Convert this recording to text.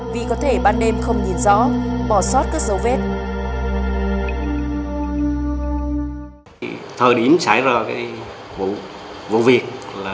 vì có thể ban đêm không nhìn rõ bỏ sót các dấu vết